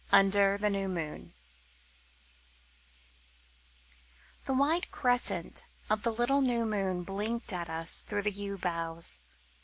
UNDER THE NEW MOON THE white crescent of the little new moon blinked at us through the yew boughs.